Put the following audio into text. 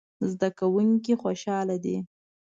زده کوونکي خوشحاله دي